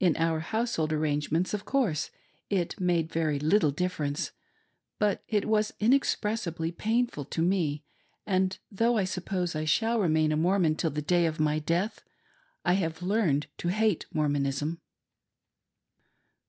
In our household arrangements, of course it made very little difference, but it was inexpressibly painful to me, and though I suppose I shall remain a Mormon till the day of my death I have learned to hate Mormonism."